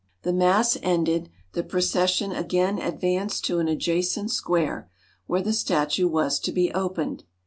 "The mass ended, the procession again advanced to an adjacent square, where the statue was to be opened.